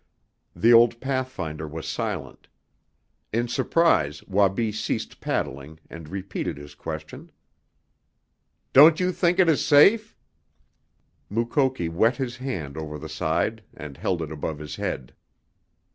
The old pathfinder was silent. In surprise Wabi ceased paddling, and repeated his question. "Don't you think it is safe?" Mukoki wet his hand over the side and held it above his head.